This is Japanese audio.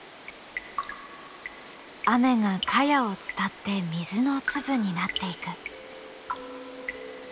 雨が茅を伝って水の粒になっていく。